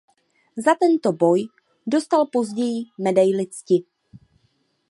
Za tento boj dostal později medaili cti.